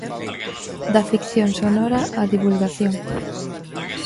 Da ficción sonora á divulgación.